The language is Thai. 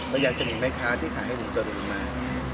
และอยากจะมีไม้ค้าที่ขายให้หนูเจ้าหนูมา